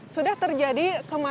sudah terjadi kepadatan